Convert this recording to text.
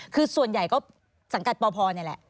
คือส่วนใหญ่ก็สังกัดปพนี่แหละ